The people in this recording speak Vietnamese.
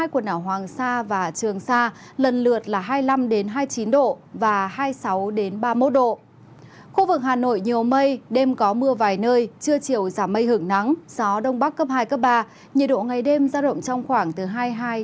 khu vực hà nội nhiều mây đêm có mưa và gió giật mạnh gió giật mạnh